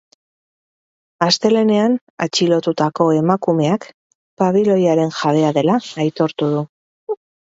Astelehenean atxilotutako emakumeak pabiloiaren jabea dela aitortu du.